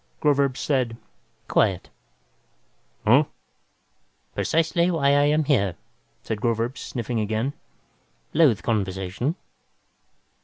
Groverzb said, "Quiet." "Uh?" "Precisely why I am here. I," said Groverzb, sniffing again, "loathe conversation."